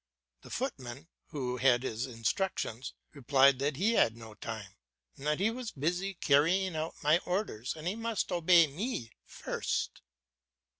The footman, who had his instructions, replied that he had no time, and that he was busy carrying out my orders, and he must obey me first.